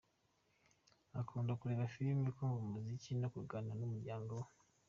Akunda kureba filimi, kumva umuziki no kuganira n’umuryango we.